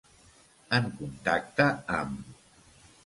En contacte amb.